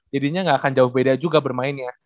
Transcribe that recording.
jadinya nggak akan jauh beda juga bermainnya